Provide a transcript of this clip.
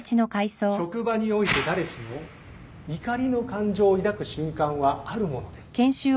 職場において誰しも怒りの感情を抱く瞬間はあるものです